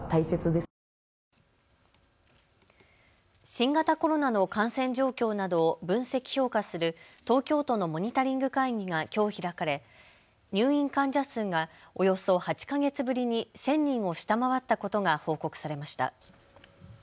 新型コロナの感染状況などを分析・評価する東京都のモニタリング会議がきょう開かれ入院患者数がおよそ８か月ぶりに１０００人を下回ったことが報告されました。